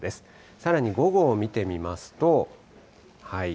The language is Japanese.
さらに午後を見てみますと。